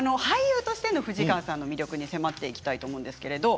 俳優としての藤ヶ谷さんの魅力に迫っていきたいと思います。